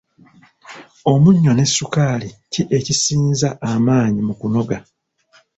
Omunnyo ne ssukaali ki ekisinza amaanyi mu kunoga?